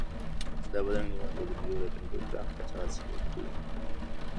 دا بادرنګ د هېواد په جنوبي ولایتونو کې په پراخه کچه حاصل ورکوي.